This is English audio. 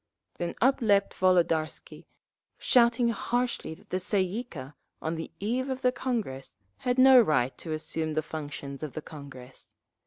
Then up leaped Volodarsky, shouting harshly that the Tsay ee kah, on the eve of the Congress, had no right to assume the functions of the Congress.